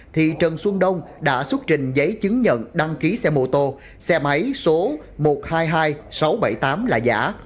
thì trần xuân đông đã xuất trình giấy chứng nhận đăng ký xe mô tô xe máy số một trăm hai mươi hai nghìn sáu trăm bảy mươi tám là giả